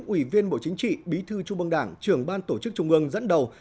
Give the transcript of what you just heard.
ủy viên bộ chính trị bí thư trung mương đảng trưởng ban tổ chức trung ương dẫn đầu